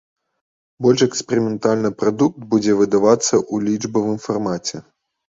Больш эксперыментальны прадукт будзе выдавацца ў лічбавым фармаце.